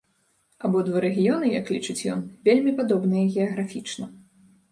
Абодва рэгіёны, як лічыць ён, вельмі падобныя геаграфічна.